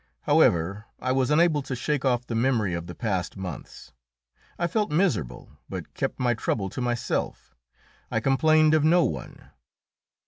However, I was unable to shake off the memory of the past months. I felt miserable, but kept my trouble to myself; I complained of no one.